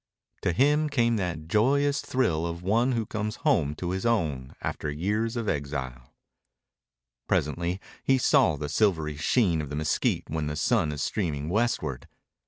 To him came that joyous thrill of one who comes home to his own after years of exile. Presently he saw the silvery sheen of the mesquite when the sun is streaming westward.